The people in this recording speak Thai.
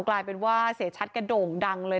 กลายเป็นว่าเสียชัดกระโด่งดังเลย